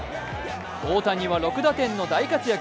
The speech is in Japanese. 大谷は６打点の大活躍